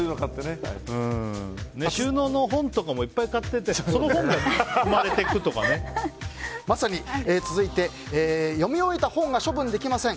収納の本とかもいっぱい買ってて続いて、読み終えた本が処分できません。